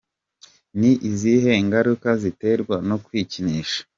Ni izihe ngaruka ziterwa no kwikinisha?.